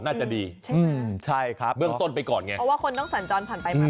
น่าจะดีอืมใช่ครับเบื้องต้นไปก่อนไงเพราะว่าคนต้องสัญจรผ่านไปมา